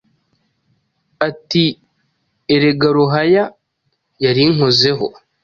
ati erega ruhaya yari inkozeho